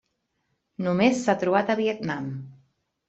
Només s'ha trobat a Vietnam.